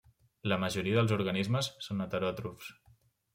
La majoria dels organismes són heteròtrofs.